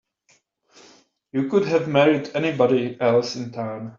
You could have married anybody else in town.